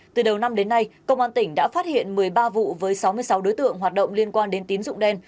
từ đầu năm đến nay công an tỉnh đã phát hiện một mươi ba vụ với sáu mươi sáu đối tượng hoạt động liên quan đến tín dụng đen